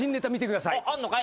あんのかい？